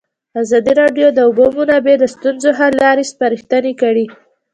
ازادي راډیو د د اوبو منابع د ستونزو حل لارې سپارښتنې کړي.